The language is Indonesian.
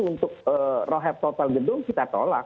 satu ratus enam puluh satu untuk rohep total gedung kita tolak